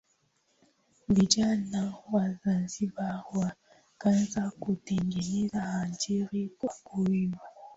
Vijana wa zanzibar wakaanza kutengeneza ajira kwa kuimba